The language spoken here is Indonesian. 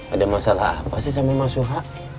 ada masalah apa sih sama maksuha